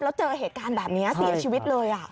แล้วเจอเหตุการณ์แบบนี้เสียชีวิตเลย